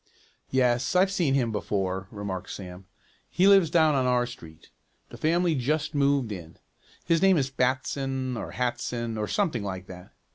"Yes, I've seen him before," remarked Sam. "He lives down on our street. The family just moved in. His name is Batson, or Hatson, or something like that.